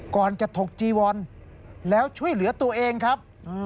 ก่อนจะถกจีวอนแล้วช่วยเหลือตัวเองครับ